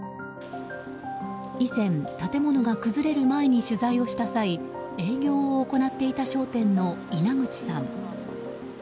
以前、建物が崩れる前に取材をした際営業を行っていた商店の稲口さん。